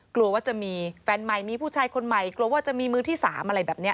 กลัวว่าจะมีแฟนใหม่มีผู้ชายคนใหม่กลัวว่าจะมีมือที่๓อะไรแบบนี้